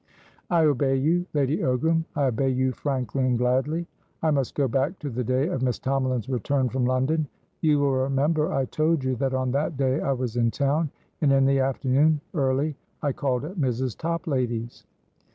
"I obey you, Lady Ogram; I obey you frankly and gladly. I must go back to the day of Miss Tomalin's return from London. You will remember I told you that on that day I was in town, and in the afternoon, early, I called at Mrs. Toplady's."